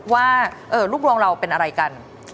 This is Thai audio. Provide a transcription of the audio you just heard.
ว่าลูกดวงเราเป็นอะไรกัน